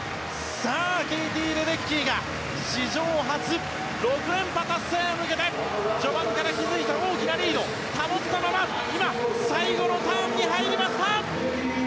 ケイティ・レデッキーが史上初６連覇達成へ向けて序盤から築いた大きなリード保ったまま今、最後のターンに入りました。